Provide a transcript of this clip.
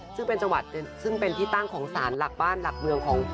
ซึ่งเป็นจังหวัดซึ่งเป็นที่ตั้งของสารหลักบ้านหลักเมืองของ